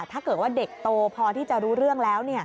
ถ้าเกิดว่าเด็กโตพอที่จะรู้เรื่องแล้ว